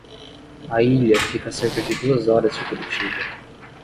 A ilha fica a cerca de duas horas de Curitiba.